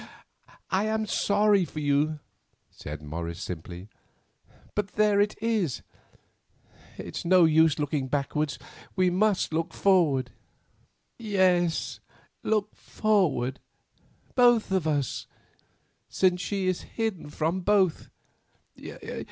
"I am sorry for you," said Morris simply, "but there it is. It is no use looking backward, we must look forward." "Yes, look forward, both of us, since she is hidden from both.